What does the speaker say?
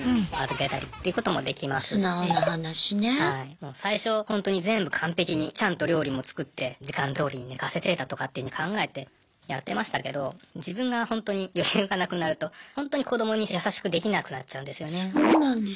もう最初ほんとに全部完璧にちゃんと料理も作って時間どおりに寝かせてだとかっていうふうに考えてやってましたけど自分がほんとに余裕がなくなるとほんとに子どもに優しくできなくなっちゃうんですよね。